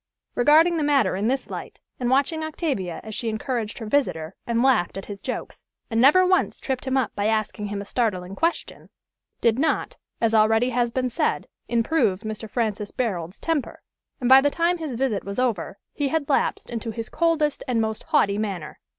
Regarding the matter in this light, and watching Octavia as she encouraged her visitor, and laughed at his jokes, and never once tripped him up by asking him a startling question, did not, as already has been said, improve Mr. Francis Barold's temper; and, by the time his visit was over, he had lapsed into his coldest and most haughty manner.